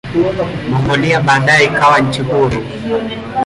Mongolia baadaye ikawa nchi huru.